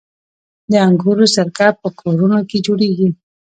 د انګورو سرکه په کورونو کې جوړیږي.